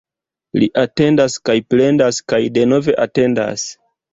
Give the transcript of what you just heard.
Li atendas kaj plendas kaj denove atendas.